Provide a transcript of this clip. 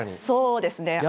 そうですね。